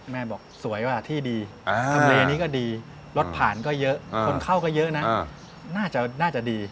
แม่บอกสวยกว่าที่ดีทำเลนี้ก็ดีรถผ่านก็เยอะคนเข้าก็เยอะนะน่าจะดี